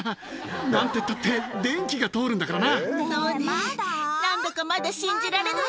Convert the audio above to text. なんてったって電気が通るんだからな。